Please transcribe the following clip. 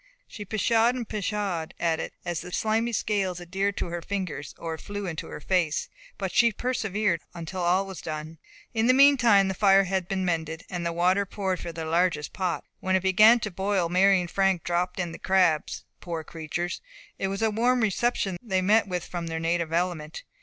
She pshawed and pshawed at it as the slimy scales adhered to her fingers, or flew into her face, but she persevered until all was done. In the meantime the fire had been mended, and water poured into their largest pot. When it began to boil, Mary and Frank dropped in the crabs. Poor creatures! it was a warm reception they met with from their native element.